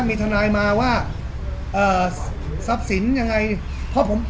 มีทนายมาว่าเอ่อทรัพย์สินยังไงเพราะผม